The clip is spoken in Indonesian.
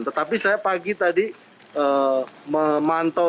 tetapi saya pagi tadi memantau